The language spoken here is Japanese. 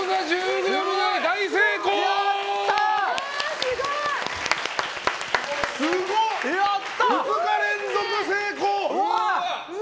２日連続、成功！